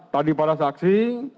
tadi para saksi